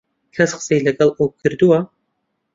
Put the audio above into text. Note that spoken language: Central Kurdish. کەس قسەی لەگەڵ ئەو کردووە؟